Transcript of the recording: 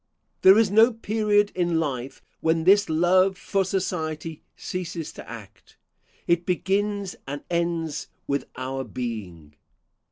There is no period in life when this love for society ceases to act. It begins and ends with our being.